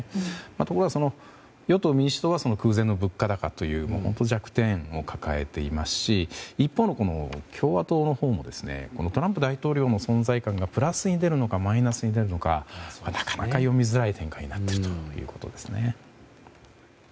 ところが与党・民主党が空前の物価高という弱点を抱えていますし一方の共和党のほうもトランプ大統領の存在感がプラスに出るのかマイナスに出るのかなかなか読みづらい展開になっていますよね。